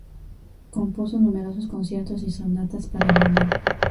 Compuso numerosos conciertos y sonatas para violín.